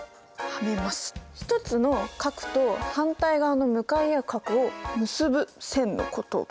１つの角と反対側の向かい合う角を結ぶ線のこと。